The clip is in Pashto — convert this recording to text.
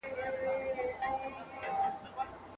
دا مرچ تر هغو نورو مرچو ډېر تېز دي او خاص خوند لري.